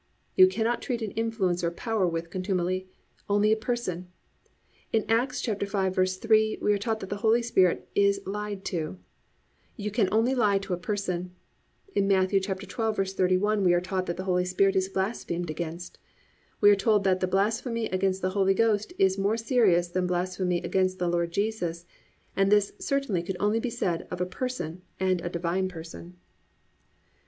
You cannot treat an influence or power with contumely; only a person. In Acts 5:3 we are taught that the Holy Spirit is lied to. You can only lie to a person. In Matt. 12:31 we are taught that the Holy Spirit is blasphemed against. We are told that the blasphemy against the Holy Ghost is more serious than the blasphemy against the Lord Jesus, and this certainly could only be said of a person and a Divine Person.